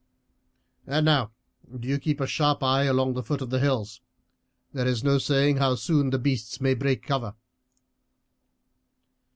And now do you keep a sharp eye along the foot of the hills. There is no saying how soon the beasts may break cover."